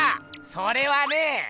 それはね。